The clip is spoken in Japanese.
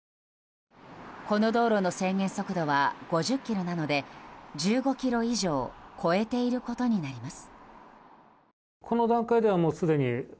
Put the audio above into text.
この道路の制限速度は５０キロなので１５キロ以上超えていることになります。